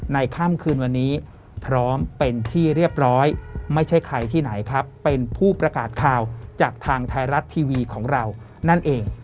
ค่ำคืนวันนี้พร้อมเป็นที่เรียบร้อยไม่ใช่ใครที่ไหนครับเป็นผู้ประกาศข่าวจากทางไทยรัฐทีวีของเรานั่นเอง